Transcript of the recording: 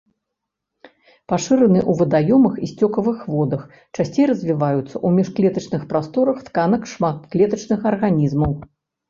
Пашыраны ў вадаёмах і сцёкавых водах, часцей развіваюцца ў міжклетачных прасторах тканак шматклетачных арганізмаў.